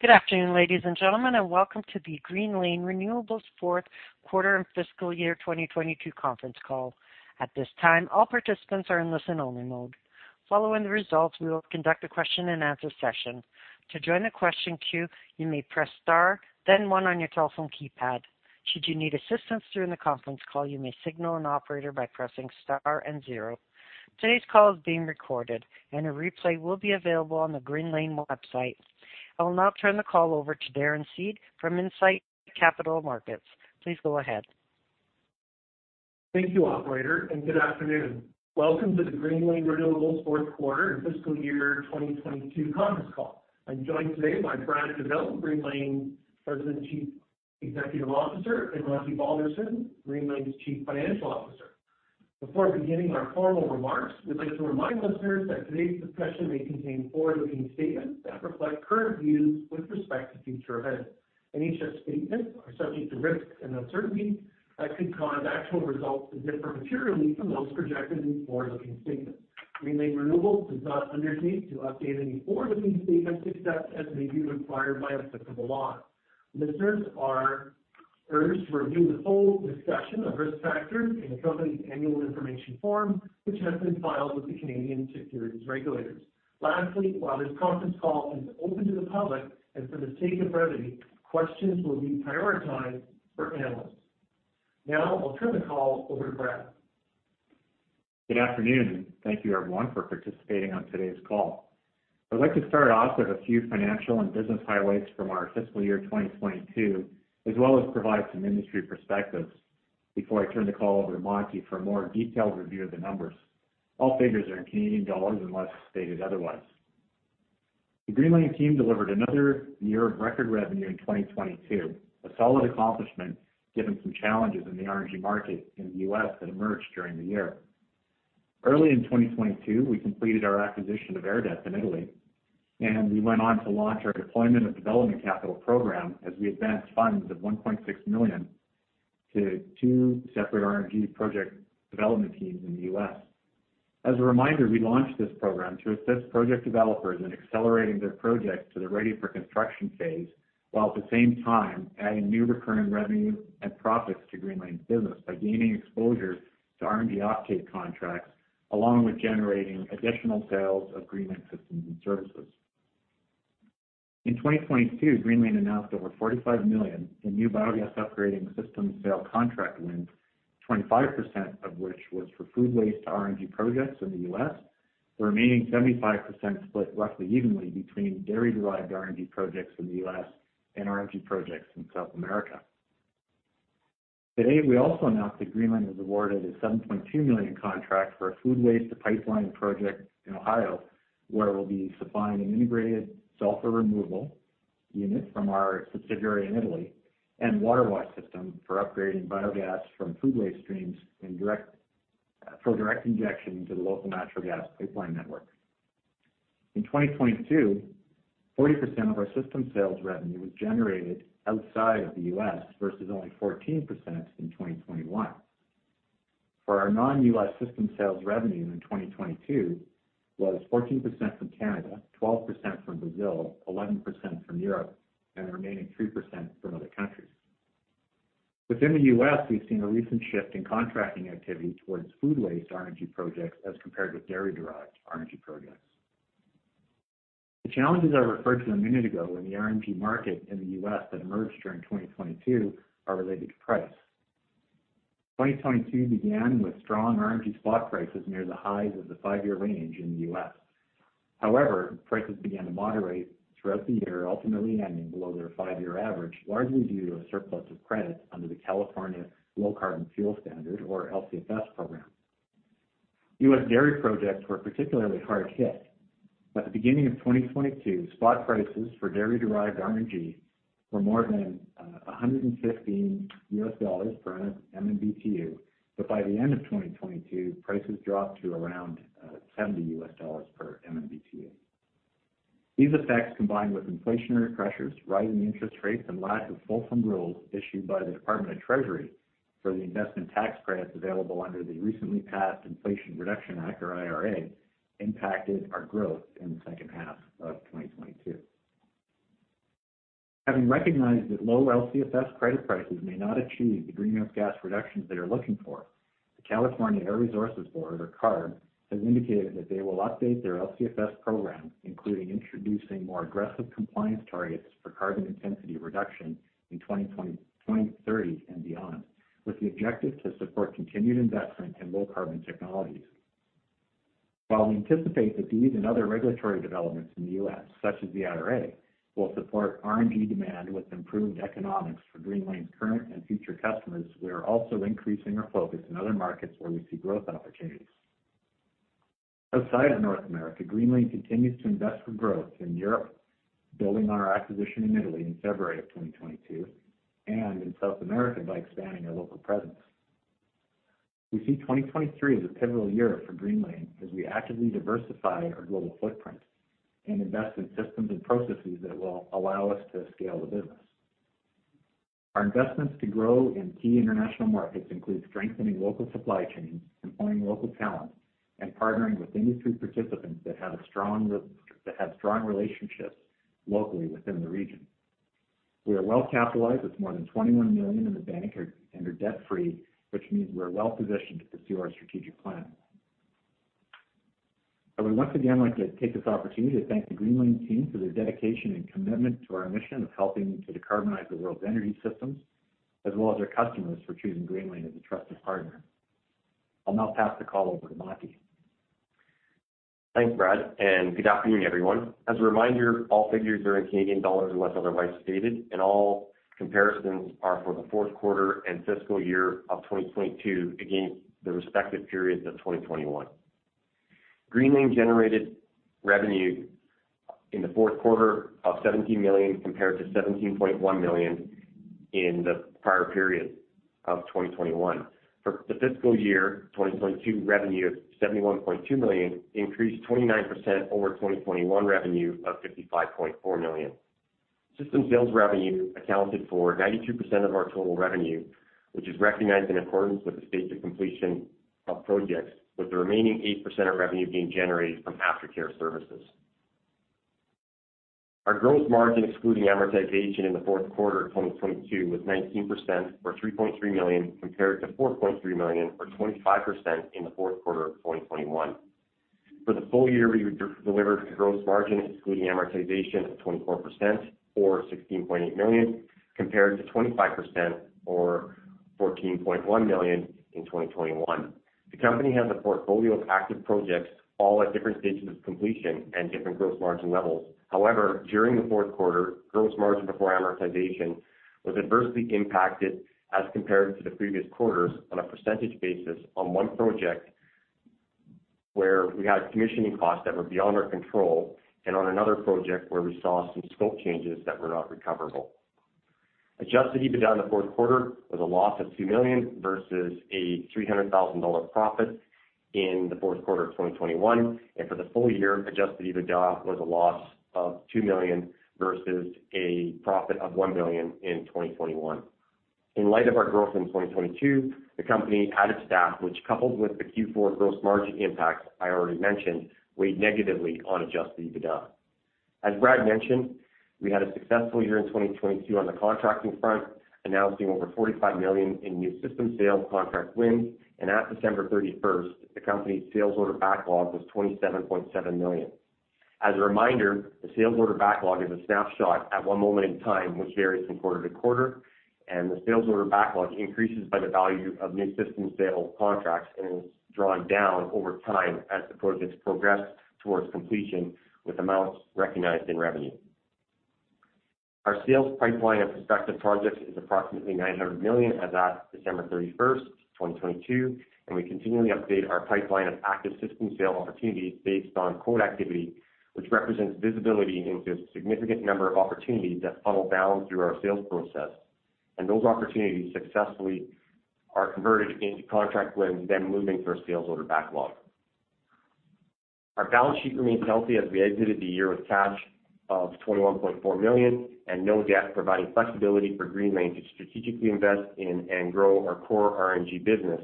Good afternoon, ladies and gentlemen, welcome to the Greenlane Renewables fourth quarter and fiscal year 2022 conference call. At this time, all participants are in listen-only mode. Following the results, we will conduct a question-and-answer session. To join the question queue, you may press star then one on your telephone keypad. Should you need assistance during the conference call, you may signal an operator by pressing star and zero. Today's call is being recorded, a replay will be available on the Greenlane website. I will now turn the call over to Darren Seed from Incite Capital Markets. Please go ahead. Thank you, operator, and good afternoon. Welcome to the Greenlane Renewables fourth quarter and fiscal year 2022 conference call. I'm joined today by Brad Douville, Greenlane President and Chief Executive Officer, and Monty Balderston, Greenlane's Chief Financial Officer. Before beginning our formal remarks, we'd like to remind listeners that today's discussion may contain forward-looking statements that reflect current views with respect to future events. Any such statements are subject to risks and uncertainties that could cause actual results to differ materially from those projected in these forward-looking statements. Greenlane Renewables does not undertake to update any forward-looking statements except as may be required by applicable law. Listeners are urged to review the full discussion of risk factors in the company's annual information form, which has been filed with the Canadian securities regulators. Lastly, while this conference call is open to the public, and for the sake of brevity, questions will be prioritized for analysts. Now I'll turn the call over to Brad. Good afternoon. Thank you, everyone, for participating on today's call. I'd like to start off with a few financial and business highlights from our fiscal year 2022, as well as provide some industry perspectives before I turn the call over to Monty for a more detailed review of the numbers. All figures are in Canadian dollars unless stated otherwise. The Greenlane team delivered another year of record revenue in 2022, a solid accomplishment given some challenges in the RNG market in the U.S. that emerged during the year. Early in 2022, we completed our acquisition of Airdep in Italy. We went on to launch our Deployment of Development Capital program as we advanced funds of 1.6 million to two separate RNG project development teams in the U.S. As a reminder, we launched this program to assist project developers in accelerating their projects to the ready-for-construction phase while at the same time adding new recurring revenue and profits to Greenlane's business by gaining exposure to RNG offtake contracts along with generating additional sales of Greenlane systems and services. In 2022, Greenlane announced over 45 million in new biogas upgrading system sale contract wins, 25% of which was for food waste RNG projects in the U.S. The remaining 75% split roughly evenly between dairy-derived RNG projects in the U.S. and RNG projects in South America. Today, we also announced that Greenlane has awarded a 7.2 million contract for a food waste pipeline project in Ohio, where we'll be supplying an integrated sulfur removal unit from our subsidiary in Italy and water wash system for upgrading biogas from food waste streams for direct injection into the local natural gas pipeline network. In 2022, 40% of our system sales revenue was generated outside of the U.S. versus only 14% in 2021. For our non-U.S. system sales revenue in 2022 was 14% from Canada, 12% from Brazil, 11% from Europe, and the remaining 3% from other countries. Within the U.S., we've seen a recent shift in contracting activity towards food waste RNG projects as compared with dairy-derived RNG projects. The challenges I referred to a minute ago in the RNG market in the U.S. that emerged during 2022 are related to price. 2022 began with strong RNG spot prices near the highs of the five-year range in the U.S. However, prices began to moderate throughout the year, ultimately ending below their five-year average, largely due to a surplus of credits under the California Low Carbon Fuel Standard, or LCFS program. U.S. dairy projects were particularly hard hit. At the beginning of 2022, spot prices for dairy-derived RNG were more than $115 per MMBtu, but by the end of 2022, prices dropped to around $70 per MMBtu. These effects, combined with inflationary pressures, rising interest rates and lack of fulsome rules issued by the Department of Treasury for the investment tax credits available under the recently passed Inflation Reduction Act, or IRA, impacted our growth in the second half of 2022. Having recognized that low LCFS credit prices may not achieve the greenhouse gas reductions they are looking for, the California Air Resources Board, or CARB, has indicated that they will update their LCFS program, including introducing more aggressive compliance targets for carbon intensity reduction in 2030 and beyond, with the objective to support continued investment in low-carbon technologies. While we anticipate that these and other regulatory developments in the U.S., such as the IRA, will support RNG demand with improved economics for Greenlane's current and future customers, we are also increasing our focus in other markets where we see growth opportunities. Outside of North America, Greenlane continues to invest for growth in Europe, building on our acquisition in Italy in February of 2022, and in South America by expanding our local presence. We see 2023 as a pivotal year for Greenlane as we actively diversify our global footprint and invest in systems and processes that will allow us to scale the business. Our investments to grow in key international markets include strengthening local supply chains, employing local talent, and partnering with industry participants that have strong relationships locally within the region. We are well capitalized with more than 21 million in the bank and are debt-free, which means we're well-positioned to pursue our strategic plan. I would once again like to take this opportunity to thank the Greenlane team for their dedication and commitment to our mission of helping to decarbonize the world's energy systems, as well as our customers for choosing Greenlane as a trusted partner. I'll now pass the call over to Monty. Thanks, Brad, and good afternoon, everyone. As a reminder, all figures are in Canadian dollars unless otherwise stated, and all comparisons are for the fourth quarter and fiscal year of 2022 against the respective periods of 2021. Greenlane generated revenue in the fourth quarter of 17 million compared to 17.1 million in the prior period of 2021. For the fiscal year 2022, revenue of 71.2 million increased 29% over 2021 revenue of 55.4 million. System sales revenue accounted for 92% of our total revenue, which is recognized in accordance with the stage of completion of projects, with the remaining 8% of revenue being generated from aftercare services. Our gross margin excluding amortization in the fourth quarter of 2022 was 19% or 3.3 million compared to 4.3 million or 25% in the fourth quarter of 2021. For the full year, we delivered gross margin excluding amortization of 24% or 16.8 million compared to 25% or 14.1 million in 2021. The company has a portfolio of active projects all at different stages of completion and different gross margin levels. However, during the fourth quarter, gross margin before amortization was adversely impacted as compared to the previous quarters on a percentage basis on one project where we had commissioning costs that were beyond our control and on another project where we saw some scope changes that were not recoverable. Adjusted EBITDA in the fourth quarter was a loss of 2 million versus a 300,000 dollar profit in the fourth quarter of 2021. For the full year, adjusted EBITDA was a loss of 2 million versus a profit of 1 million in 2021. In light of our growth in 2022, the company added staff, which coupled with the Q4 gross margin impact I already mentioned, weighed negatively on adjusted EBITDA. As Brad mentioned, we had a successful year in 2022 on the contracting front, announcing over 45 million in new system sales contract wins, and at December 31st, the company's sales order backlog was 27.7 million. As a reminder, the sales order backlog is a snapshot at one moment in time, which varies from quarter to quarter, and the sales order backlog increases by the value of new system sales contracts and is drawn down over time as the projects progress towards completion with amounts recognized in revenue. Our sales pipeline of prospective projects is approximately 900 million as at December 31st, 2022, and we continually update our pipeline of active system sale opportunities based on quote activity, which represents visibility into a significant number of opportunities that funnel down through our sales process. Those opportunities successfully are converted into contract wins, then moving through our sales order backlog. Our balance sheet remains healthy as we exited the year with cash of 21.4 million and no debt, providing flexibility for Greenlane to strategically invest in and grow our core RNG business,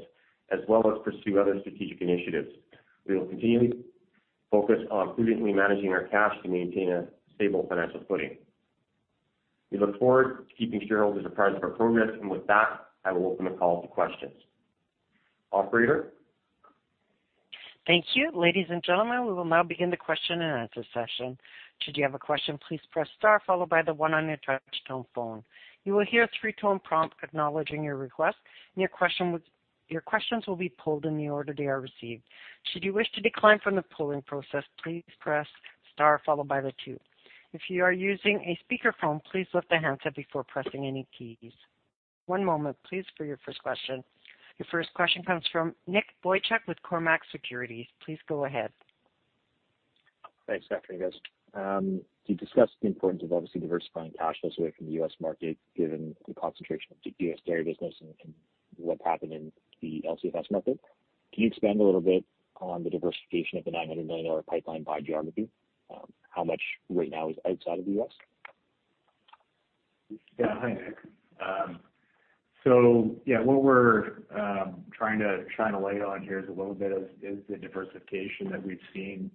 as well as pursue other strategic initiatives. We will continually focus on prudently managing our cash to maintain a stable financial footing. We look forward to keeping shareholders apprised of our progress. With that, I will open the call to questions. Operator? Thank you. Ladies and gentlemen, we will now begin the question-and-answer session. Should you have a question, please press star followed by the one on your touch tone phone. You will hear a three-tone prompt acknowledging your request, and your questions will be pooled in the order they are received. Should you wish to decline from the pooling process, please press star followed by the two. If you are using a speakerphone, please lift the handset before pressing any keys. One moment please for your first question. Your first question comes from Nick Boychuk with Cormark Securities. Please go ahead. Thanks. Afternoon, guys. You discussed the importance of obviously diversifying cash flows away from the U.S. market, given the concentration of U.S. dairy business and what happened in the LCFS method. Can you expand a little bit on the diversification of the 900 million dollar pipeline by geography? How much right now is outside of the U.S.? Hi, Nick. What we're trying to shine a light on here is the diversification that we've seen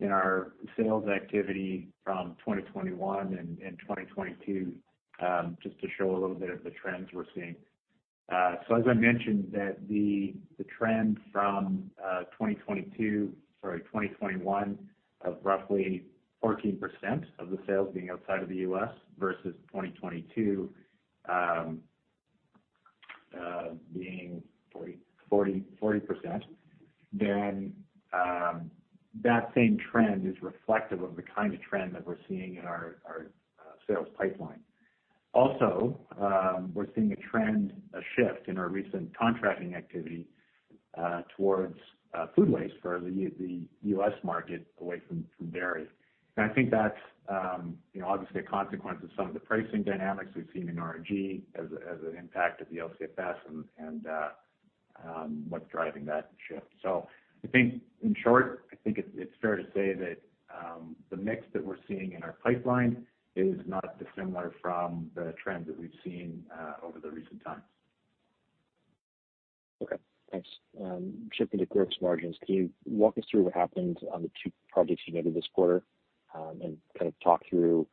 in our sales activity from 2021 and 2022, just to show a little bit of the trends we're seeing. As I mentioned that the trend from 2021 of roughly 14% of the sales being outside of the U.S. versus 2022, being 40%, that same trend is reflective of the kind of trend that we're seeing in our sales pipeline. We're seeing a trend, a shift in our recent contracting activity towards food waste for the U.S. market away from dairy. I think that's obviously a consequence of some of the pricing dynamics we've seen in RNG as an impact of the LCFS and, what's driving that shift. I think in short, I think it's fair to say that The mix that we're seeing in our pipeline is not dissimilar from the trends that we've seen, over the recent times. Okay. Thanks. Shifting to gross margins, can you walk us through what happened on the two projects you noted this quarter, and kind of talk through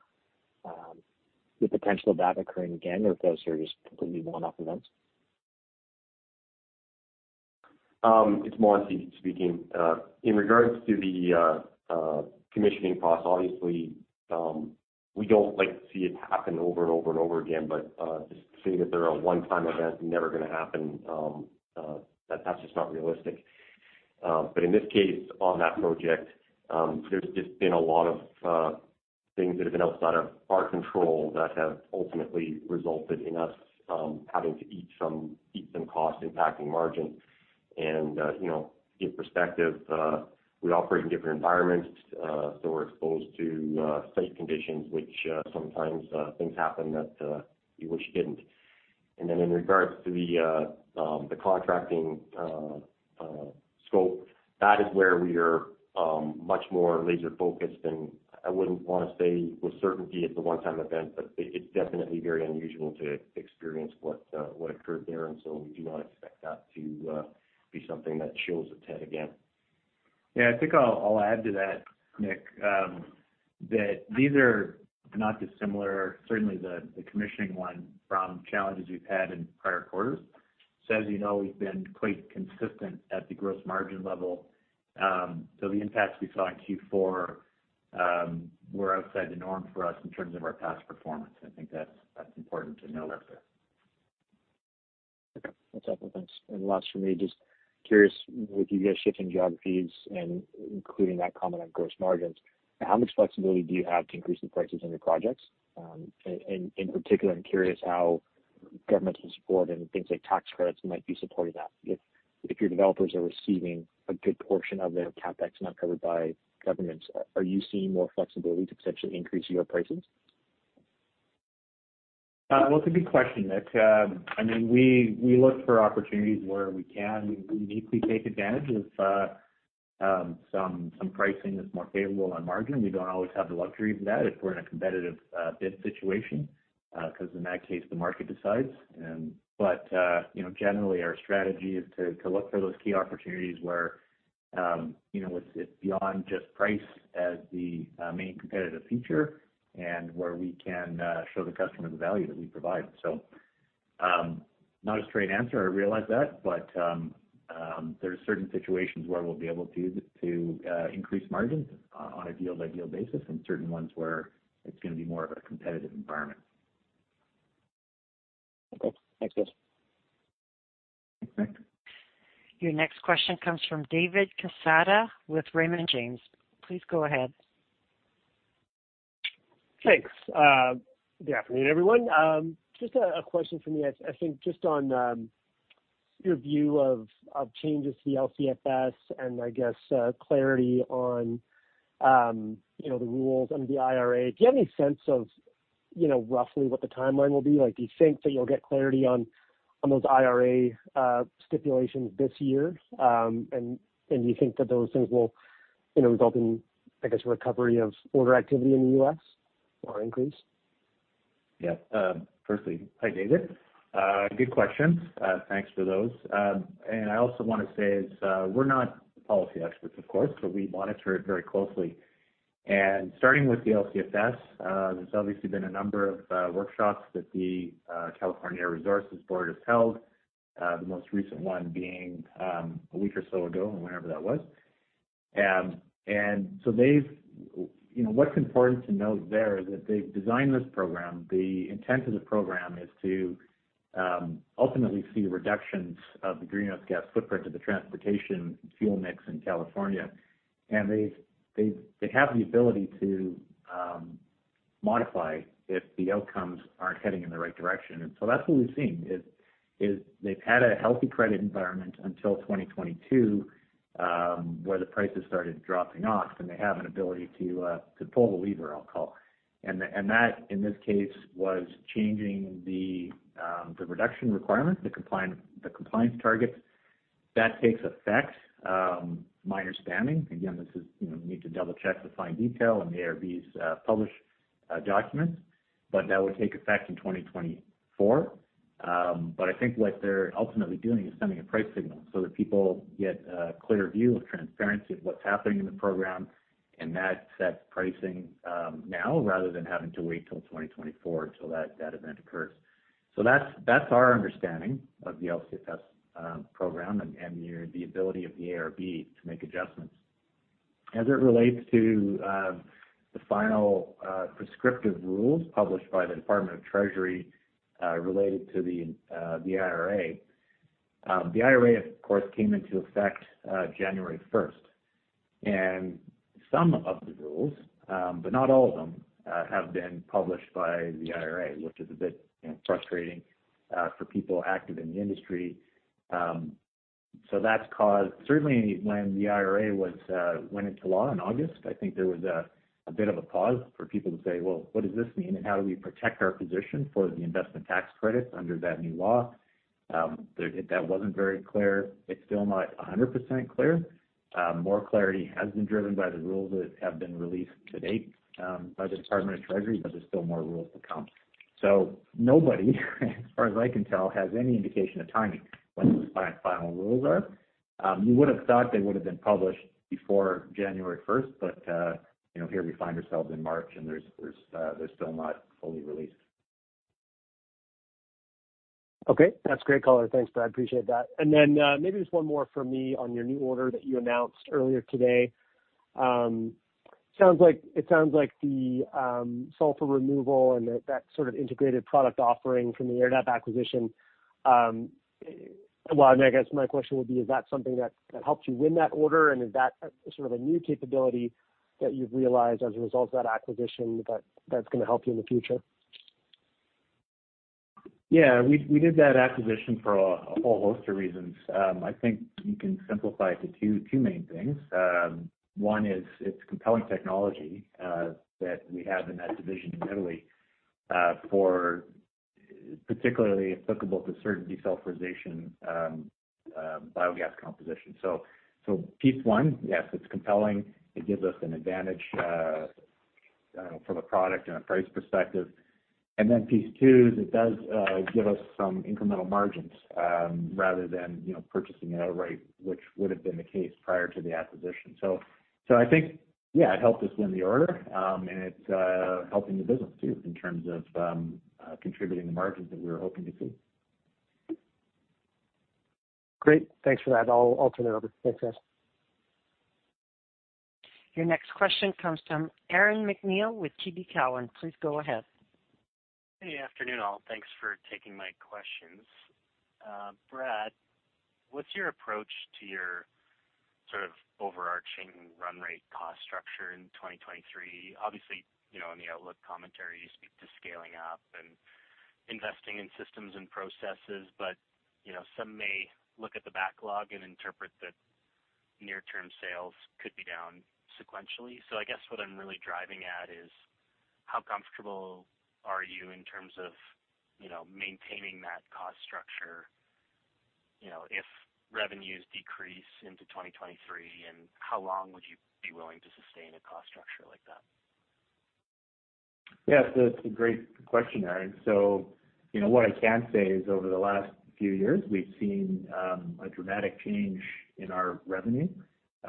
the potential of that occurring again or if those are just completely one-off events? It's Monty speaking. In regards to the commissioning costs, obviously, we don't like to see it happen over and over and over again, but to say that they're a one-time event, never gonna happen, that's just not realistic. But in this case, on that project, there's just been a lot of things that have been outside of our control that have ultimately resulted in us having to eat some costs impacting margin. You know, in perspective, we operate in different environments, so we're exposed to site conditions which sometimes things happen that you wish didn't. In regards to the contracting scope, that is where we are much more laser focused than... I wouldn't wanna say with certainty it's a one-time event, but it's definitely very unusual to experience what occurred there. We do not expect that to be something that shows its head again. Yeah. I think I'll add to that, Nick, that these are not dissimilar, certainly the commissioning one from challenges we've had in prior quarters. As you know, we've been quite consistent at the gross margin level. The impacts we saw in Q4 were outside the norm for us in terms of our past performance. I think that's important to note out there. Okay. That's helpful. Thanks. Last from me, just curious, with you guys shifting geographies and including that comment on gross margins, how much flexibility do you have to increase the prices on your projects? In particular, I'm curious how governmental support and things like tax credits might be supporting that. If your developers are receiving a good portion of their CapEx not covered by governments, are you seeing more flexibility to potentially increase your prices? Well, it's a good question, Nick. I mean, we look for opportunities where we can uniquely take advantage of some pricing that's more favorable on margin. We don't always have the luxury of that if we're in a competitive bid situation, 'cause in that case the market decides. You know, generally our strategy is to look for those key opportunities where it's beyond just price as the main competitive feature and where we can show the customer the value that we provide. Not a straight answer, I realize that, there are certain situations where we'll be able to increase margins on a deal-by-deal basis and certain ones where it's gonna be more of a competitive environment. Okay, thanks guys. Thanks, Nick. Your next question comes from David Quezada with Raymond James. Please go ahead. Thanks. Good afternoon, everyone. Just a question from me, I think just on your view of changes to the LCFS and I guess clarity on, you know, the rules under the IRA. Do you have any sense of, you know, roughly what the timeline will be? Like, do you think that you'll get clarity on those IRA stipulations this year? Do you think that those things will, you know, result in, I guess, recovery of order activity in the U.S. or increase? Yeah. Firstly, hi, David. Good questions. Thanks for those. I also wanna say is, we're not policy experts of course, but we monitor it very closely. Starting with the LCFS, there's obviously been a number of workshops that the California Air Resources Board has held, the most recent one being a week or so ago or whenever that was. You know, what's important to note there is that they've designed this program, the intent of the program is to ultimately see reductions of the greenhouse gas footprint of the transportation fuel mix in California. They have the ability to modify if the outcomes aren't heading in the right direction. That's what we've seen, is they've had a healthy credit environment until 2022, where the prices started dropping off, and they have an ability to pull the lever, I'll call it. That, in this case, was changing the reduction requirement, the compliance targets. That takes effect, my understanding, again, this is, you know, need to double-check the fine detail in the ARB's published documents, but that would take effect in 2024. I think what they're ultimately doing is sending a price signal so that people get a clear view of transparency of what's happening in the program, and that sets pricing now rather than having to wait till 2024 till that event occurs. That's our understanding of the LCFS program and the ability of the ARB to make adjustments. As it relates to the final prescriptive rules published by the Department of Treasury related to the IRA, the IRA of course came into effect January 1st. Some of the rules, but not all of them, have been published by the IRA, which is a bit frustrating for people active in the industry. Certainly when the IRA went into law in August, I think there was a bit of a pause for people to say, "Well, what does this mean, and how do we protect our position for the investment tax credits under that new law?" That wasn't very clear. It's still not 100% clear. More clarity has been driven by the rules that have been released to date by the Department of Treasury, but there's still more rules to come. Nobody, as far as I can tell, has any indication of timing when those final rules are. You would have thought they would have been published before January first, but here we find ourselves in March and they're still not fully released. Okay, that's great, caller. Thanks, Brad, appreciate that. Then, maybe just one more for me on your new order that you announced earlier today. It sounds like the, sulfur removal and that sort of integrated product offering from the Airdep acquisition. Well, I mean, I guess my question would be, is that something that helped you win that order? Is that sort of a new capability that you've realized as a result of that acquisition that's gonna help you in the future? Yeah, we did that acquisition for a whole host of reasons. I think you can simplify it to two main things. One is, it's compelling technology that we have in that division in Italy for particularly applicable to certain desulfurization biogas composition. Piece one, yes, it's compelling. It gives us an advantage from a product and a price perspective. Piece two, is it does give us some incremental margins rather than purchasing outright, which would have been the case prior to the acquisition. I think, yeah, it helped us win the order and it's helping the business too in terms of contributing the margins that we were hoping to see. Great. Thanks for that. I'll turn it over. Thanks, guys. Your next question comes from Aaron MacNeil with TD Cowen. Please go ahead. Hey, afternoon, all. Thanks for taking my questions. Brad, what's your approach to your sort of overarching run rate cost structure in 2023? Obviously, you know, in the outlook commentary, you speak to scaling up and investing in systems and processes. You know, some may look at the backlog and interpret that near-term sales could be down sequentially. I guess what I'm really driving at is how comfortable are you in terms of maintaining that cost structure, you know, if revenues decrease into 2023, and how long would you be willing to sustain a cost structure like that? It's a great question, Aaron. You know, what I can say is over the last few years, we've seen a dramatic change in our revenue.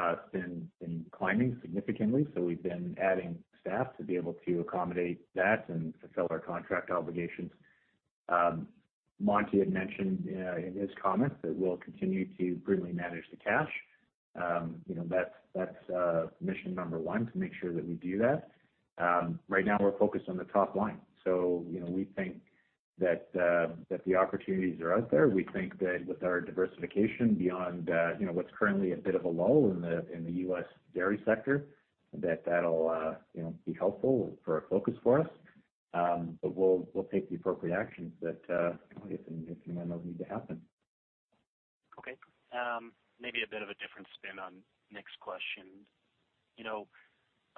It's been climbing significantly, we've been adding staff to be able to accommodate that and fulfill our contract obligations. Monty had mentioned in his comments that we'll continue to prudently manage the cash. You know, that's mission number one, to make sure that we do that. Right now we're focused on the top line. You know, we think that the opportunities are out there. We think that with our diversification beyond what's currently a bit of a lull in the U.S. dairy sector, that that'll be helpful for a focus for us. We'll take the appropriate actions that, you know, if any of those need to happen. Maybe a bit of a different spin on Nick's question. You know,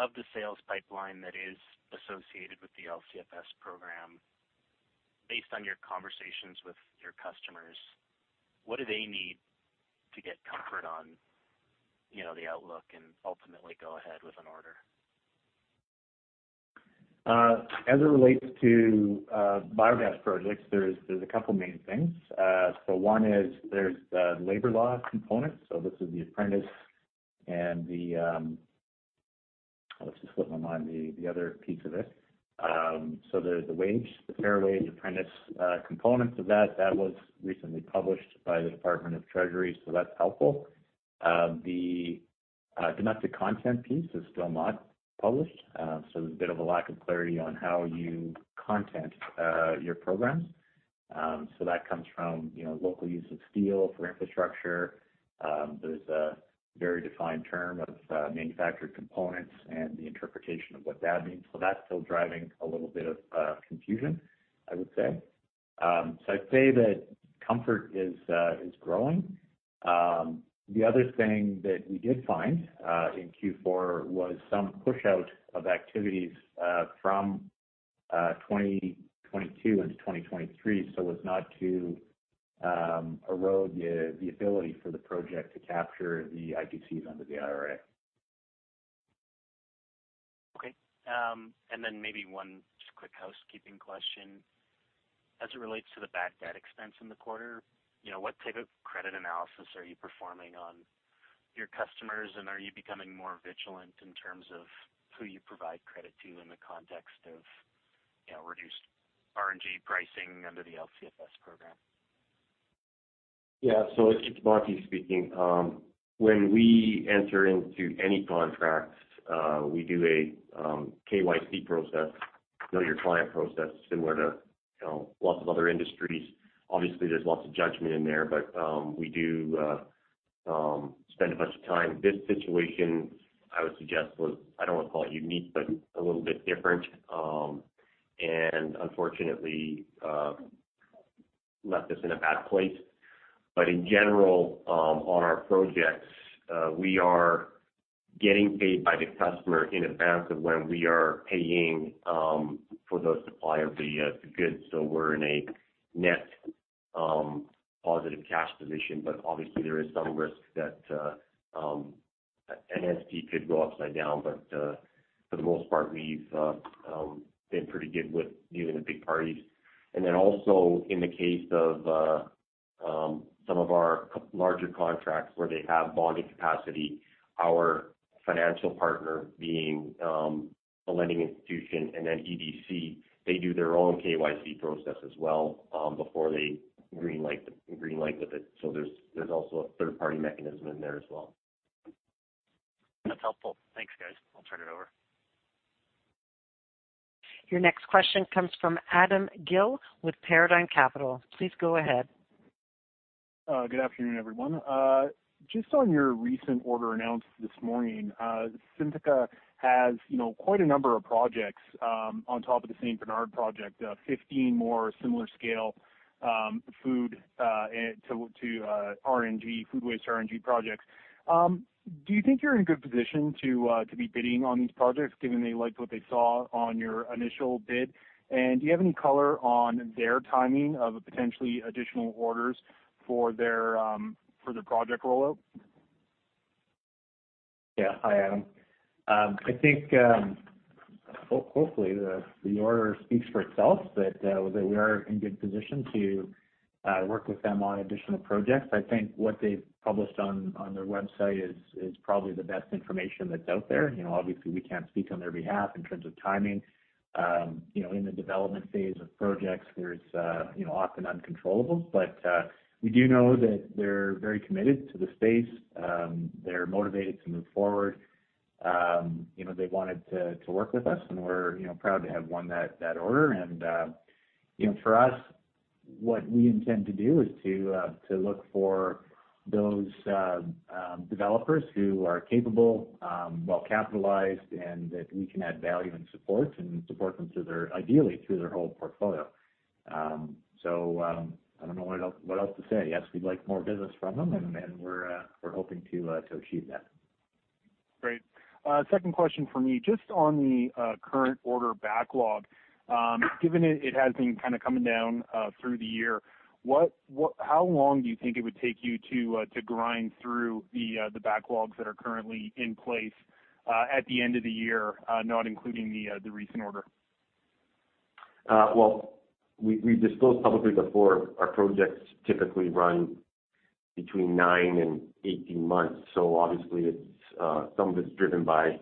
of the sales pipeline that is associated with the LCFS program, based on your conversations with your customers, what do they need to get comfort on, you know, the outlook and ultimately go ahead with an order? As it relates to biogas projects, there's a couple main things. One is there's the labor law component, this is the apprentice and the other piece of it. There's the wage, the fair wage, apprentice components of that. That was recently published by the Department of Treasury, so that's helpful. The domestic content piece is still not published, there's a bit of a lack of clarity on how you content your programs. That comes from, you know, local use of steel for infrastructure. There's a very defined term of manufactured components and the interpretation of what that means. That's still driving a little bit of confusion, I would say. I'd say that comfort is growing. The other thing that we did find in Q4 was some push out of activities from 2022 into 2023, so as not to erode the ability for the project to capture the ITCs under the IRA. Maybe one just quick housekeeping question. As it relates to the bad debt expense in the quarter, you know, what type of credit analysis are you performing on your customers, and are you becoming more vigilant in terms of who you provide credit to in the context of, you know, reduced RNG pricing under the LCFS program? Yeah. It's, it's Monty speaking. When we enter into any contracts, we do a KYC process, know your client process, similar to, you know, lots of other industries. Obviously, there's lots of judgment in there, but we do spend a bunch of time. This situation, I would suggest, was, I don't wanna call it unique, but a little bit different, and unfortunately, left us in a bad place. In general, on our projects, we are getting paid by the customer in advance of when we are paying for those supply of the goods. We're in a net positive cash position, but obviously there is some risk that NSP could go upside down. For the most part, we've been pretty good with even the big parties. Also in the case of some of our larger contracts where they have bonded capacity, our financial partner being a lending institution and then EDC, they do their own KYC process as well before they green light with it. There's also a third-party mechanism in there as well. That's helpful. Thanks, guys. I'll turn it over. Your next question comes from Adam Gill with Paradigm Capital. Please go ahead. Good afternoon, everyone. Just on your recent order announced this morning, Synthica has, you know, quite a number of projects on top of the St. Bernard project, 15 more similar scale food to RNG, food waste RNG projects. Do you think you're in a good position to be bidding on these projects, given they liked what they saw on your initial bid? Do you have any color on their timing of potentially additional orders for their project rollout? Yeah. Hi, Adam. I think, hopefully, the order speaks for itself, that we are in good position to work with them on additional projects. I think what they've published on their website is probably the best information that's out there. You know, obviously, we can't speak on their behalf in terms of timing. You know, in the development phase of projects, there's, you know, often uncontrollable. We do know that they're very committed to the space. They're motivated to move forward. You know, they wanted to work with us, and we're, you know, proud to have won that order. You know, for us, what we intend to do is to look for those developers who are capable, well-capitalized, and that we can add value and support, and support them through their, ideally, through their whole portfolio. I don't know what else, what else to say. Yes, we'd like more business from them, and we're hoping to achieve that. Great. Second question for me, just on the current order backlog, given it has been kinda coming down through the year, how long do you think it would take you to grind through the backlogs that are currently in place at the end of the year, not including the recent order? Well, we disclosed publicly before our projects typically run between nine and 18 months, so obviously it's some of it's driven by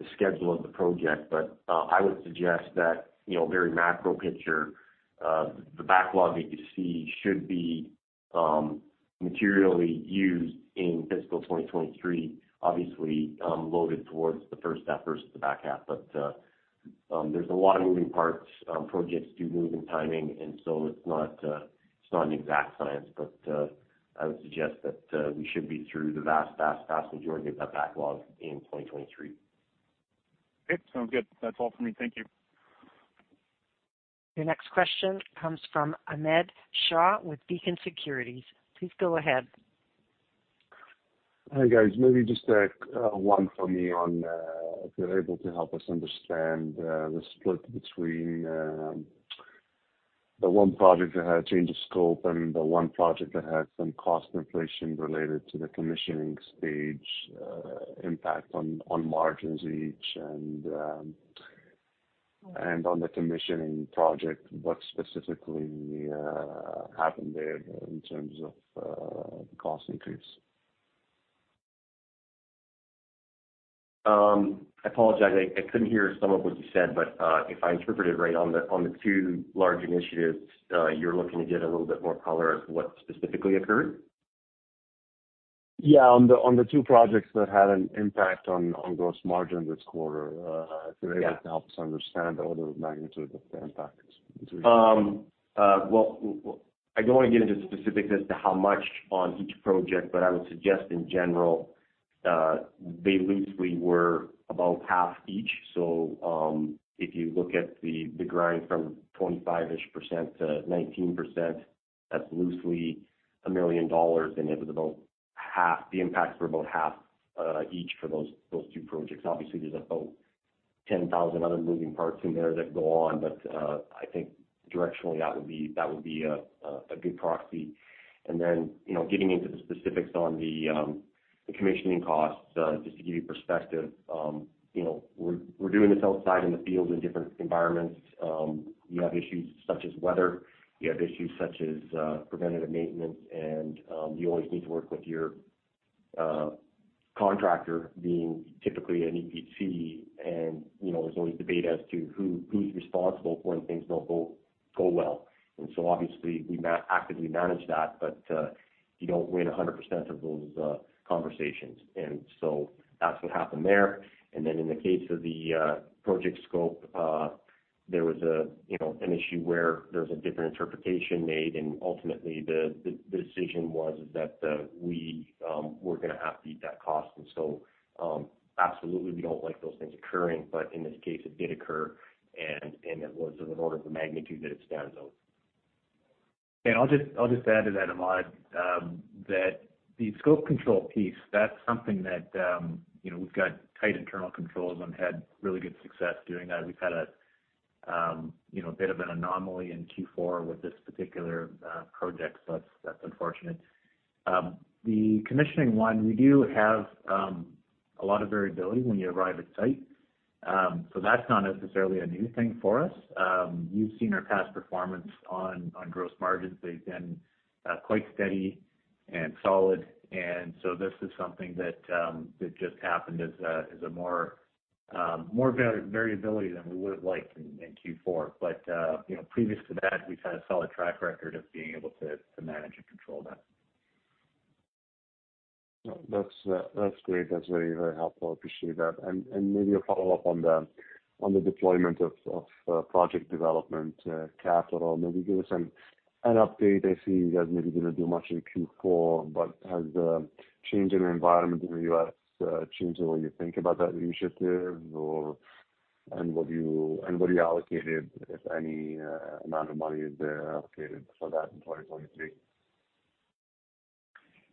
the schedule of the project. I would suggest that, you know, very macro picture, the backlog that you see should be materially used in fiscal 2023, obviously, loaded towards the first half versus the back half. There's a lot of moving parts. Projects do move in timing, it's not an exact science. I would suggest that we should be through the vast majority of that backlog in 2023. Okay. Sounds good. That's all for me. Thank you. Your next question comes from Ahmad Shaath with Beacon Securities. Please go ahead. Hi, guys. Maybe just, one for me on, if you're able to help us understand, the split between, the one project that had a change of scope and the one project that had some cost inflation related to the commissioning stage, impact on margins each. On the commissioning project, what specifically, happened there in terms of, the cost increase? I apologize. I couldn't hear some of what you said, but if I interpreted right, on the two large initiatives, you're looking to get a little bit more color of what specifically occurred? Yeah, on the two projects that had an impact on gross margin this quarter. Yeah. if you're able to help us understand the order of magnitude of the impact between- Well, I don't want to get into specifics as to how much on each project, but I would suggest in general, they loosely were about half each. If you look at the grind from 25%-ish to 19%, that's loosely 1 million dollars, and it was about half the impacts were about half each for those two projects. Obviously, there's about 10,000 other moving parts in there that go on. I think directionally, that would be a good proxy. You know, getting into the specifics on the commissioning costs, just to give you perspective, you know, we're doing this outside in the field in different environments. You have issues such as weather, you have issues such as preventative maintenance, you always need to work with your contractor being typically an EPC. You know, there's always debate as to who's responsible for when things don't go well. Obviously, we actively manage that, but you don't win 100% of those conversations. That's what happened there. In the case of the project scope, there was a, you know, an issue where there was a different interpretation made, and ultimately the decision was that we were gonna have to eat that cost. Absolutely we don't like those things occurring, but in this case, it did occur and it was of an order of the magnitude that it stands out. I'll just add to that, Ahmad, that the scope control piece, that's something that, you know, we've got tight internal controls and had really good success doing that. We've had a, you know, a bit of an anomaly in Q4 with this particular project, so that's unfortunate. The commissioning one, we do have a lot of variability when you arrive at site. That's not necessarily a new thing for us. You've seen our past performance on gross margins. They've been quite steady and solid. This is something that just happened as a, as a more variability than we would have liked in Q4. You know, previous to that, we've had a solid track record of being able to manage and control that. That's, that's great. That's very, very helpful. Appreciate that. Maybe a follow-up on the, on the Deployment of Development Capital. Maybe give us an update. I see you guys maybe didn't do much in Q4, but has the change in environment in the U.S. changed the way you think about that initiative or what you allocated, if any, amount of money is allocated for that in 2023?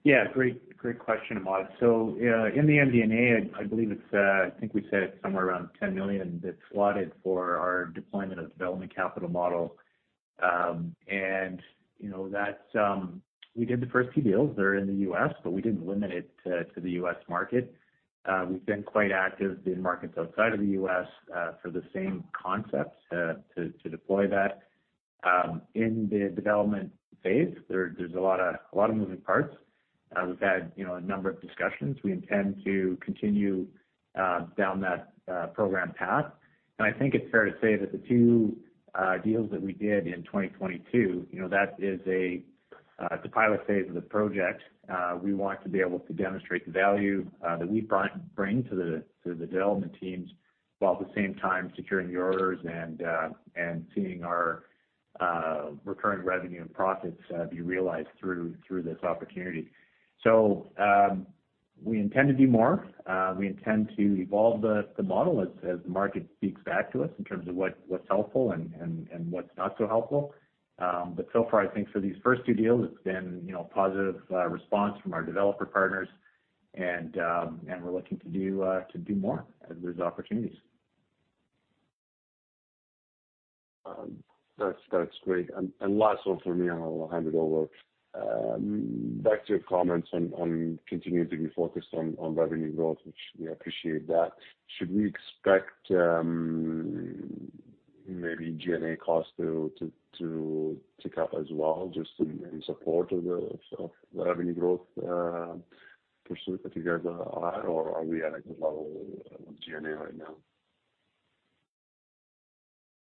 Yeah. Great, great question, Ahmad. In the MD&A, I believe it's, I think we said somewhere around 10 million that's slotted for our Deployment of Development Capital model. And, you know, that's, we did the first two deals. They're in the U.S., but we didn't limit it to the U.S. market. We've been quite active in markets outside of the U.S., for the same concepts, to deploy that. In the development phase, there's a lot of moving parts. We've had, you know, a number of discussions. We intend to continue down that program path. I think it's fair to say that the two deals that we did in 2022, you know, that is a, it's a pilot phase of the project. We want to be able to demonstrate the value that we bring to the development teams, while at the same time securing the orders and seeing our recurring revenue and profits be realized through this opportunity. We intend to do more. We intend to evolve the model as the market speaks back to us in terms of what's helpful and what's not so helpful. So far, I think for these first two deals, it's been, you know, positive response from our developer partners, and we're looking to do more as there's opportunities. That's great. Last one from me, and I'll hand it over. Back to your comments on continuing to be focused on revenue growth, which we appreciate that. Should we expect maybe G&A costs to tick up as well, just in support of the revenue growth pursuit that you guys are at? Are we at a good level of G&A right now?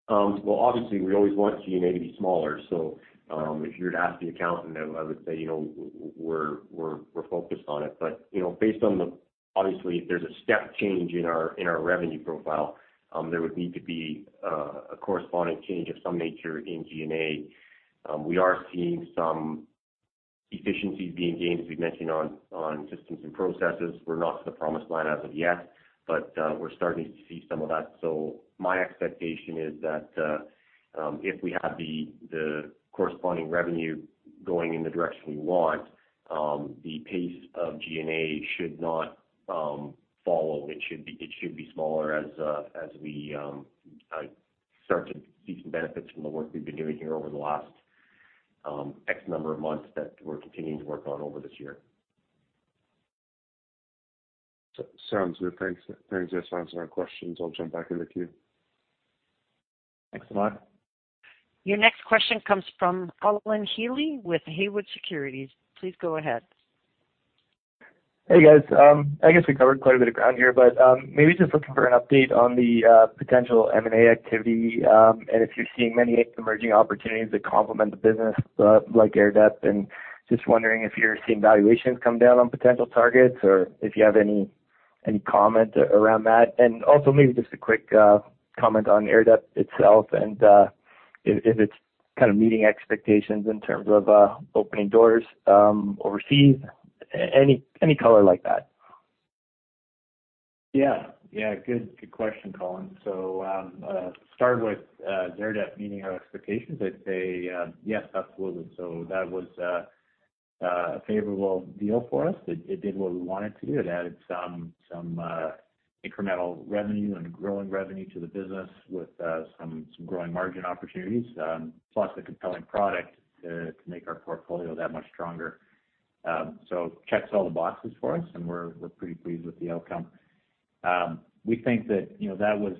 Well, obviously, we always want G&A to be smaller. If you were to ask the accountant, I would say, you know, we're focused on it. You know, based on obviously, if there's a step change in our revenue profile, there would need to be a corresponding change of some nature in G&A. We are seeing some efficiencies being gained, as we've mentioned, on systems and processes. We're not to the promised line as of yet, but we're starting to see some of that. My expectation is that if we have the corresponding revenue going in the direction we want, the pace of G&A should not follow. It should be smaller as we start to see some benefits from the work we've been doing here over the last X number of months that we're continuing to work on over this year. Sounds good. Thanks for answering our questions. I'll jump back in the queue. Thanks, Ahmad. Your next question comes from Colin Healey with Haywood Securities. Please go ahead. Hey, guys. I guess we covered quite a bit of ground here, but maybe just looking for an update on the potential M&A activity, and if you're seeing any emerging opportunities that complement the business, like Airdep. Just wondering if you're seeing valuations come down on potential targets or if you have any comment around that. Also maybe just a quick comment on Airdep itself and if it's kind of meeting expectations in terms of opening doors overseas. Any color like that. Yeah. Good question, Colin. Start with Airdep meeting our expectations. I'd say, yes, absolutely. That was a favorable deal for us. It did what we want it to. It added some incremental revenue and growing revenue to the business with some growing margin opportunities, plus a compelling product to make our portfolio that much stronger. checks all the boxes for us, and we're pretty pleased with the outcome. We think that, you know, that was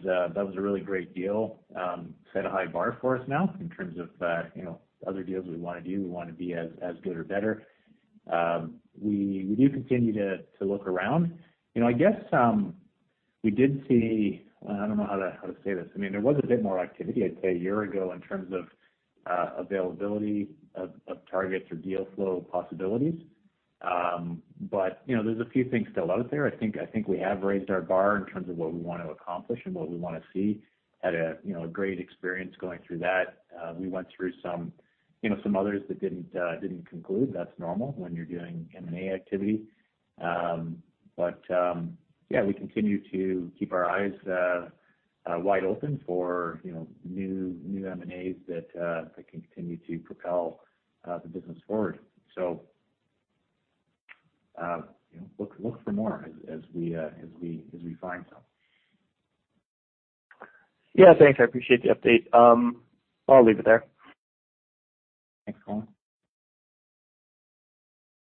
a really great deal. Set a high bar for us now in terms of, you know, other deals we wanna do. We wanna be as good or better. We do continue to look around. You know, I guess, we did see I don't know how to, how to say this. I mean, there was a bit more activity, I'd say, a year ago in terms of availability of targets or deal flow possibilities. You know, there's a few things still out there. I think we have raised our bar in terms of what we want to accomplish and what we wanna see. Had a, you know, a great experience going through that. We went through some, you know, some others that didn't conclude. That's normal when you're doing M&A activity. Yeah, we continue to keep our eyes wide open for, you know, new M&As that can continue to propel the business forward. You know, look for more as we find some. Yeah, thanks. I appreciate the update. I'll leave it there. Thanks, Colin.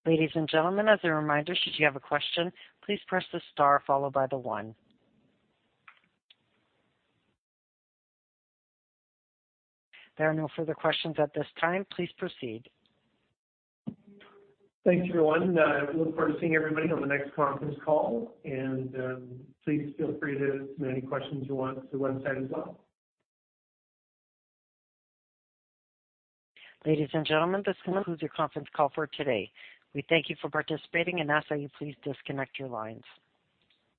Ladies and gentlemen, as a reminder, should you have a question, please press the star followed by the one. There are no further questions at this time. Please proceed. Thanks, everyone. We look forward to seeing everybody on the next conference call. Please feel free to submit any questions you want through website as well. Ladies and gentlemen, this concludes your conference call for today. We thank you for participating and ask that you please disconnect your lines.